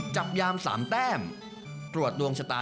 จับยาม๓แต้มตรวจดวงชะตา